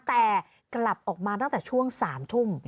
แต่กลับออกมาตั้งแต่ช่วง๓ทุ่ม